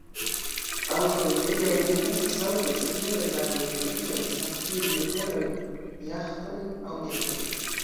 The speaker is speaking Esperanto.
Aŭtoj tiaj ne estas aŭtoj sed nuraj rango-indikiloj, samkiel juveloj, jaĥtoj aŭ jetoj.